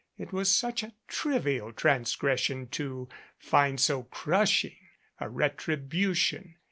It was such a trivial transgression to find so crushing a retribution.